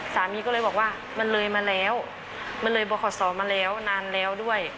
สามีก็เลยบอกว่ามันเลยมาแล้วมันเลยบอกขอสอมาแล้วนานแล้วด้วย